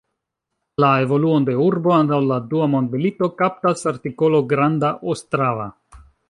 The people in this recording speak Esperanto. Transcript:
La evoluon de urbo antaŭ la dua mondmilito kaptas artikolo Granda Ostrava.